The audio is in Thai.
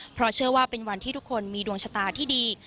เพราะเชื่อว่าเป็นวันที่ทุกคนมีดวงชะตาที่ดี